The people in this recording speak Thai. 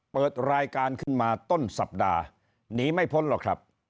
เปิดรายการขึ้นมาต้นสัปดาห์หนีไม่พ้นหรอกครับ